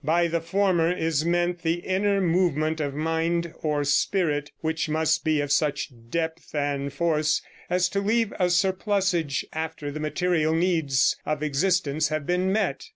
By the former is meant the inner movement of mind or spirit, which must be of such depth and force as to leave a surplusage after the material needs of existence have been met.